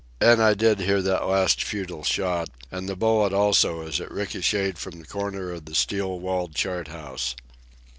And I did hear that last futile shot, and the bullet also as it ricochetted from the corner of the steel walled chart house.